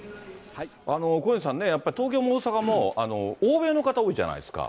小西さんね、東京も大阪も、欧米の方多いじゃないですか。